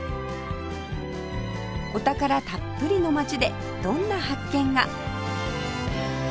お宝たっぷりの街でどんな発見が？